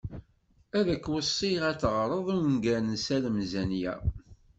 Ad k-weṣṣiɣ ad teɣreḍ ungal n Salem Zenya.